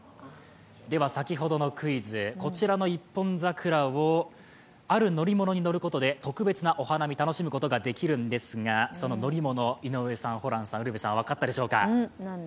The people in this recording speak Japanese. では、先ほどのクイズ、こちらの一本桜をある乗り物に乗ることで特別なお花見を、楽しむことができるんですが、その乗り物井上さん、ホランさん、ウルヴェさん、分かったでしょうか。